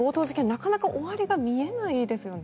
なかなか終わりが見えないですよね。